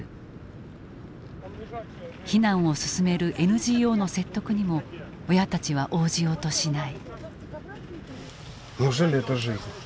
避難を勧めるＮＧＯの説得にも親たちは応じようとしない。